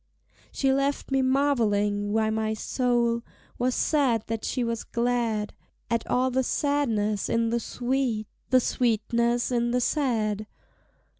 She left me marvelling why my soul Was sad that she was glad; At all the sadness in the sweet, The sweetness in the sad.